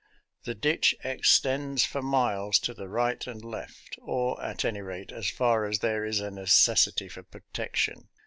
The ditch extends for miles to the right and left, or, at any rate, as far as there is a necessity for protection.